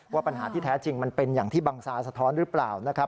ว่าปัญหาที่แท้จริงมันเป็นอย่างที่บังซาสะท้อนหรือเปล่านะครับ